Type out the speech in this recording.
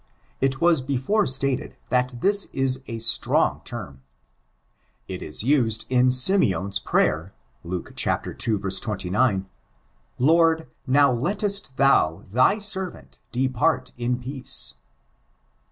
It was before stated, that this is a strong term. It is used in Simeon's prayer, Luke iL 29 :*' Lord, now lettest thou thy servant depart in peace."